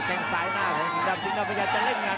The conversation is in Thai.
ตรงซ้ายมากครับสงสัยจะเล่นงาน